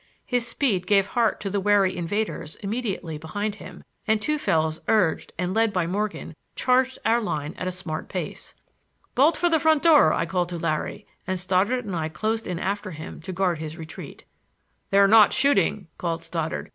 His speed gave heart to the wary invaders immediately behind him and two fellows urged and led by Morgan charged our line at a smart pace. "Bolt for the front door," I called to Larry, and Stoddard and I closed in after him to guard his retreat. "They're not shooting," called Stoddard.